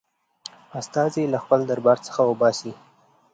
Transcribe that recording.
استازی له خپل دربار څخه وباسي.